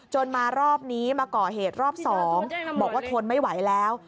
มารอบนี้มาก่อเหตุรอบ๒บอกว่าทนไม่ไหวแล้ว